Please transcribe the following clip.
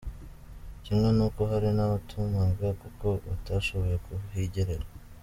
Kimwe n’uko hari n’abatumaga kuko batashoboye kuhigerera.